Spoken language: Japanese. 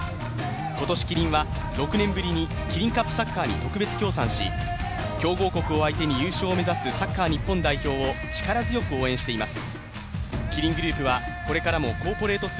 今年、キリンは６年ぶりにキリンカップサッカーに特別協賛し強豪国を相手に優勝を目指すサッカー日本代表を力強く応援しています。